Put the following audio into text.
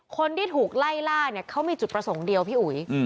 คนที่ถูกไล่ล่าเนี่ยเขามีจุดประสงค์เดียวพี่อุ๋ย